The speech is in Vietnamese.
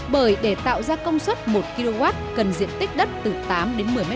bởi để tạo ra công suất một kw cần diện tích đất từ tám đến một mươi m hai